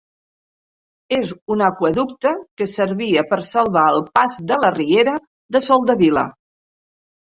És un aqüeducte que servia per salvar el pas de la riera de Soldevila.